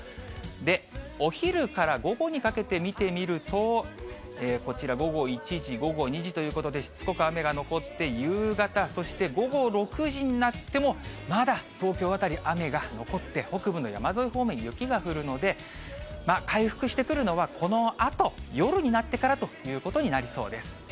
で、お昼から午後にかけて見てみると、こちら、午後１時、午後２時ということで、しつこく雨が残って、夕方、そして午後６時になっても、まだ東京辺り、雨が残って、北部の山沿い方面、雪が降るので、回復してくるのは、このあと夜になってからということになりそうです。